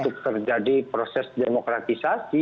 untuk terjadi proses demokratisasi